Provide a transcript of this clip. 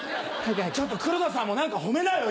ちょっと黒田さんも何か褒めなよ